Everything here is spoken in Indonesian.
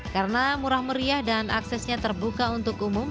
karena murah meriah dan aksesnya terbuka untuk umum